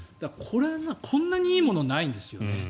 こんなにいいものないんですよね。